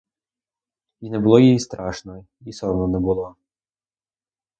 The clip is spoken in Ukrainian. І не було їй страшно, і соромно не було.